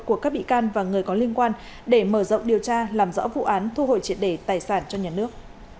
của các bị can và người có liên quan để mở rộng điều tra làm rõ vụ án thu hồi triệt đề tài sản cho nhà nước